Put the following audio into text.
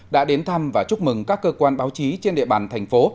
đã đến thăm và chúc mừng các cơ quan báo chí trên địa bàn thành phố